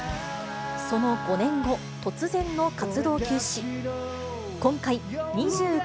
その５年後、突然の活動休止。